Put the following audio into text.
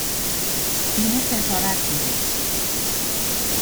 بیمه خسارت میده